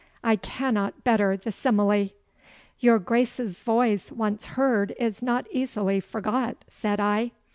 I cannot better the simile.' 'Your Grace's voice once heard is not easily forgot,' said I.